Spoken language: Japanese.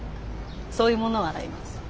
そういうものを洗います。